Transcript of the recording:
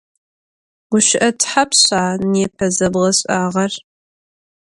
Guşı'e thapşşa nêpe zebğeş'ağer?